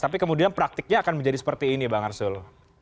tapi kemudian praktiknya akan menjadi seperti ini bang arsul